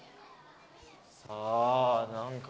さあ何か。